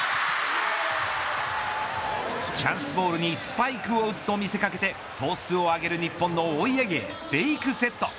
チャンスボールにスパイクを打つと見せ掛けてトスを上げる日本のお家芸フェイクセット。